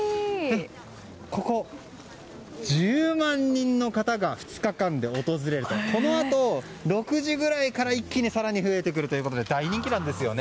ここには１０万人の方が２日間で訪れるということでこのあと、６時ぐらいから一気に更に増えてくるということで大人気なんですよね。